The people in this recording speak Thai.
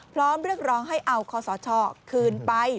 พร้อมเรียกร้องให้เอาคอสชคืนไป